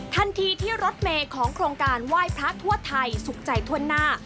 ทันทีที่รถเมย์ของโครงการไหว้พระทั่วไทยสุขใจทั่วหน้า